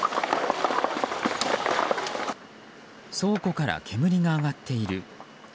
倉庫から煙が上がっている。